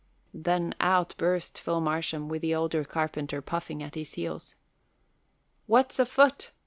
Then out burst Phil Marsham with the older carpenter puffing at his heels. "What's afoot?"